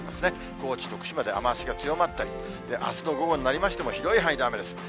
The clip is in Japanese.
高知、徳島で雨足が強まったり、あすの午後になりましても、広い範囲で雨です。